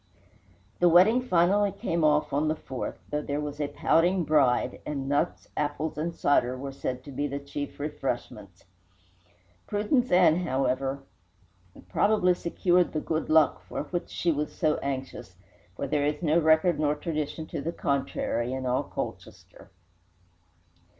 The wedding finally came off on the 4th, though there was a pouting bride, and nuts, apples, and cider were said to be the chief refreshments. Prudence Ann, however, probably secured the "good luck" for which she was so anxious, for there is no record nor tradition to the contrary in all Colchester.